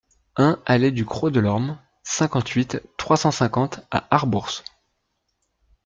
un allée du Crot de l'Orme, cinquante-huit, trois cent cinquante à Arbourse